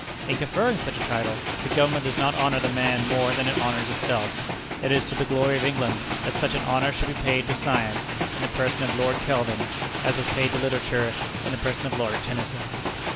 In conferring such a title, the government does not honor the man more than it honors itself. It is to the glory of England that such an honor should be paid to science in the person of Lord Kelvin, as was paid to literature in the person of Lord Tennyson.